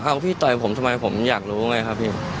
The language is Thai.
เอาพี่ต่อยผมทำไมผมอยากรู้ไงครับพี่